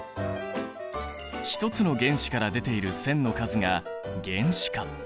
ひとつの原子から出ている線の数が原子価。